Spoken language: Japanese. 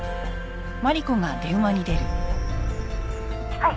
「はい」